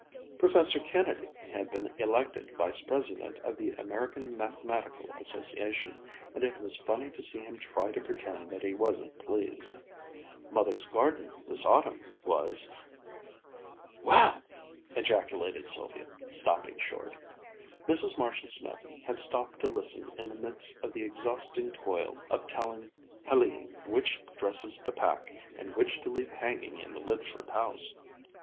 Professor Kennedy had been elected vice president of the American Mathematical Association, and it was funny to see him try to pretend that he wasn't pleased. Mother's garden this autumn was ... "Well!" ejaculated Sylvia, stopping short. Mrs. Marshall Smith had stopped to listen in the midst of the exhausting toil of telling Hélène which dresses to pack and which to leave hanging in the Lydford house.